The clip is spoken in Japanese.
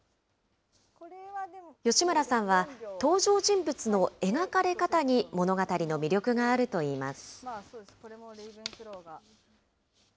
吉村さんは、登場人物の描かれ方に、物語の魅力があるといいます。